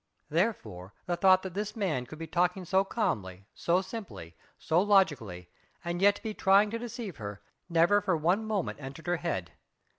Therefore, the thought that this man could be talking so calmly, so simply, so logically, and yet be trying to deceive her, never for one moment entered her head.